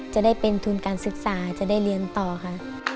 จะได้เป็นทุนการศึกษาจะได้เรียนต่อค่ะ